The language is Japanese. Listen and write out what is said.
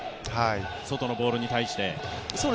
外のボールに対して。